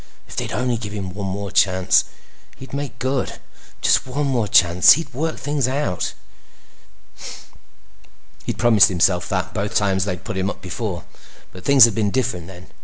If they'd only give him one more chance, he'd make good. Just one more chance. He'd work things out. He'd promised himself that both times they'd put him up before, but things had been different then.